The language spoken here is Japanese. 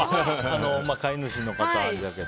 飼い主の方はいるけど。